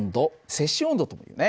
セ氏温度ともいうね。